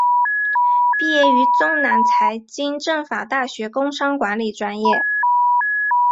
毕业于中南财经政法大学工商管理专业。